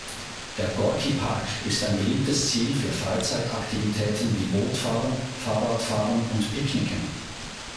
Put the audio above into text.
Der Gorki-Park ist ein beliebtes Ziel für Freizeitaktivitäten wie Bootfahren, Fahrradfahren und Picknicken.